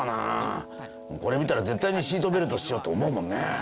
これ見たら絶対にシートベルトしようと思うもんね。